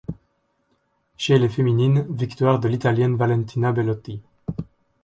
Chez les féminines, victoire de l'Italienne Valentina Belotti.